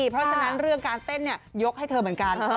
เพราะฉะนั้นเรื่องการเต้นยกให้เธอเหมือนกัน